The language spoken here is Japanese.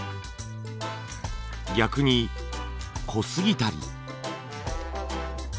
逆に濃すぎたり。